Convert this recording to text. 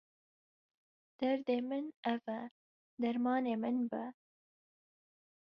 Derdê min ev e, dermanê min be.